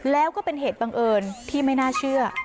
แล้วก็เป็นเหตุบังเอิญที่ไม่น่าเชื่อ